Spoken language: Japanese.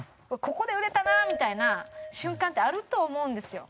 ここで売れたなみたいな瞬間ってあると思うんですよ。